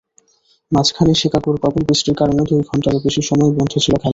মাঝখানে শিকাগোর প্রবল বৃষ্টির কারণে দুই ঘণ্টারও বেশি সময় বন্ধ ছিল খেলা।